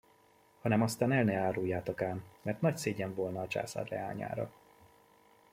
Hanem aztán el ne áruljatok ám, mert nagy szégyen volna a császár leányára!